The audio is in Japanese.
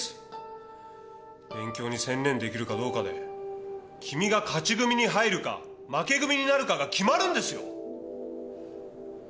勉強に専念できるかどうかで君が勝ち組に入るか負け組になるかが決まるんですよ。